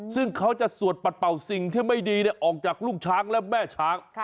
ซึ่งเขาจะสวดปัดเป่าสิ่งที่ไม่ดีออกจากลูกช้างและแม่ช้าง